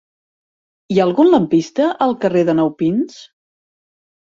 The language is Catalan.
Hi ha algun lampista al carrer de Nou Pins?